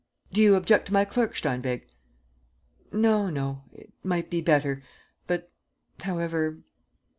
Do you object to my clerk, Steinweg?" "No, no ... it might be better ... but, however